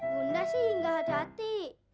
bunda sih gak ada hati